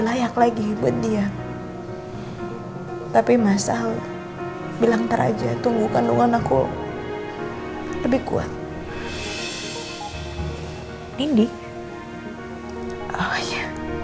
layak lagi buat dia tapi masa lu bilang teraja tunggu kandungan aku lebih kuat nindi oh ya